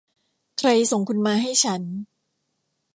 ใครส่งคุณมาให้ฉัน